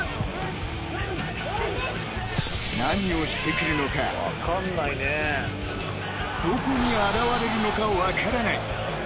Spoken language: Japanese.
［何をしてくるのかどこに現れるのか分からない］